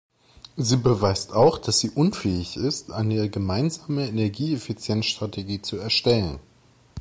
Sie beweist auch, dass sie unfähig ist, eine gemeinsame Energieeffizienz-Strategie zu erstellen.